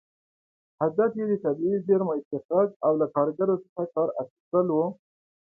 هدف یې د طبیعي زېرمو استخراج او له کارګرو څخه کار اخیستل و.